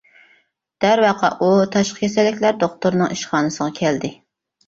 دەرۋەقە ئۇ تاشقى كېسەللىكلەر دوختۇرىنىڭ ئىشخانىسىغا كەلدى.